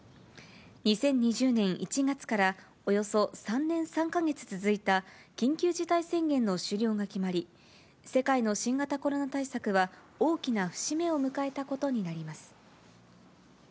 ２０２０年１月から、およそ３年３か月続いた緊急事態宣言の終了が決まり、世界の新型コロナ対策は大きな節目を迎えたことになります。